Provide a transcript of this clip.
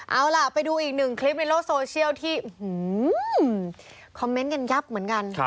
เอาล่ะไปดูอีกหนึ่งคลิปในโลกโซเชียลที่คอมเมนต์กันยับเหมือนกัน